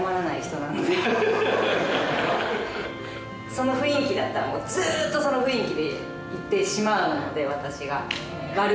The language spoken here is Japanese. その雰囲気だったらもうずっとその雰囲気でいてしまうので私が。